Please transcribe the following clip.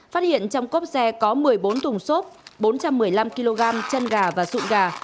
phát hiện trong cốp xe có một mươi bốn thùng xốp bốn trăm một mươi năm kg chân gà và sụn gà